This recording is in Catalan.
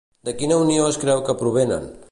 De quina unió es creu que provenen?